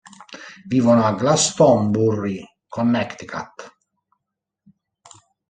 Vivono a Glastonbury, Connecticut.